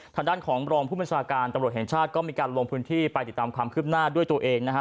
ทางด้านของรองผู้บัญชาการตำรวจแห่งชาติก็มีการลงพื้นที่ไปติดตามความคืบหน้าด้วยตัวเองนะฮะ